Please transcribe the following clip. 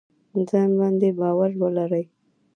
ځان باندې باور ولرئ